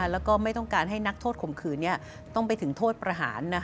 แล้วก็ไม่ต้องการให้นักโทษข่มขืนต้องไปถึงโทษประหาร